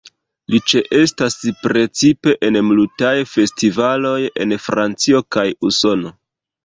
Li ĉeestas precipe en multaj festivaloj en Francio kaj Usono.